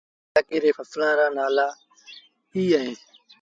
مآݩجي الآڪي ري ڦسلآن رآ نآلآ اي اهيݩ ۔